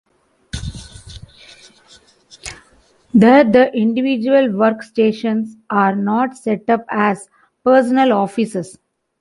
There, the individual work stations are not set up as personal offices.